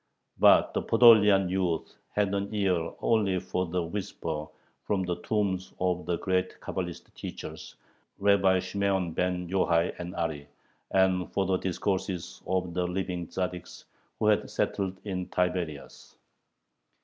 But the Podolian youth had an ear only for the whisper from the tombs of the great Cabalist teachers, Rabbi Shimeon ben Yohai and Ari, and for the discourses of the living Tzaddiks who had settled in Tiberias.